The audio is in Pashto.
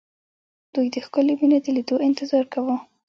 دوی د ښکلې مينې د ليدو انتظار کاوه